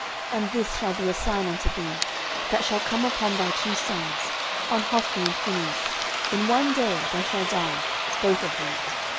09:002:034 And this shall be a sign unto thee, that shall come upon thy two sons, on Hophni and Phinehas; in one day they shall die both of them.